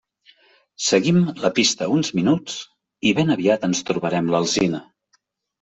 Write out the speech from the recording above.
Seguim la pista uns minuts i ben aviat ens trobarem l'alzina.